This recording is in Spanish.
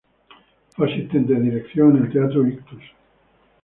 Fue asistente de dirección en el teatro Ictus.